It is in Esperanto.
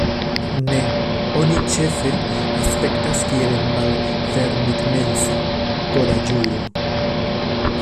Ne, oni ĉefe aspektas kiel malfermitmensa kuraĝulo.